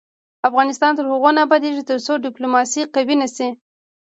افغانستان تر هغو نه ابادیږي، ترڅو ډیپلوماسي قوي نشي.